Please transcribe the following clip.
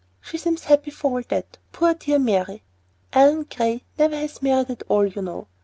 She seems happy for all that, poor dear Mary. Ellen Gray never has married at all, you know.